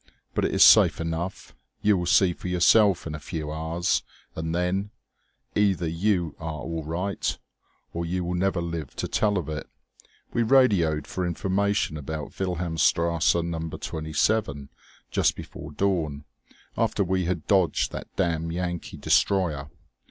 "But it is safe enough; you will see for yourself in a few hours; and then ... either you are all right, or you will never live to tell of it. We radio'd for information about Wilhelmstrasse Number 27 just before dawn, after we had dodged that damned Yankee destroyer.